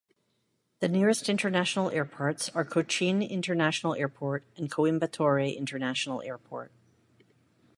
The nearest international airports are Cochin International Airport and Coimbatore International Airport.